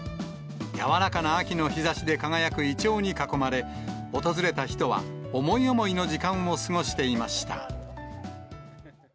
柔らかな秋の日ざしで輝くイチョウに囲まれ、訪れた人は思い思いの時間を過ごしていました。